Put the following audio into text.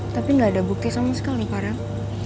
tapi gak ada bukti sama sekali pak rang